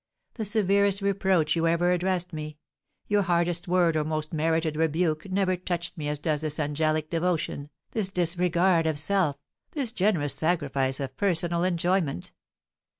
The severest reproach you ever addressed me your hardest word or most merited rebuke never touched me as does this angelic devotion, this disregard of self, this generous sacrifice of personal enjoyment.